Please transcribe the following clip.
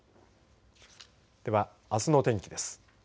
では、あすの天気です。